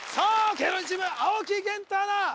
芸能人チーム青木源太アナ